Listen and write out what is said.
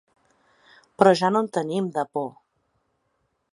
Però ja no en tenim, de por.